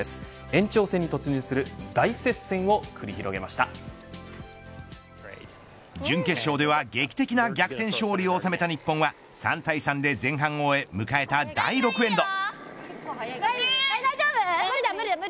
延長戦に突入する準決勝では劇的な逆転勝利を収めた日本は３対３で前半を終え迎えた第６エンド。